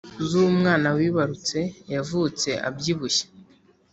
z’umwana wibarutse yavutse abyibushye